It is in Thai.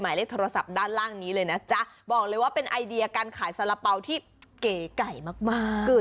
หมายเลขโทรศัพท์ด้านล่างนี้เลยนะจ๊ะบอกเลยว่าเป็นไอเดียการขายสาระเป๋าที่เก๋ไก่มากมาก